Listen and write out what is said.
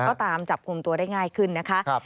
ก็ตามจับกลุ่มตัวได้ง่ายขึ้นนะคะ